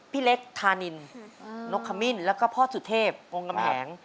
พี่เล็กธานินนกขมิ้นแล้วก็พ่อสุเทพวงกำแหง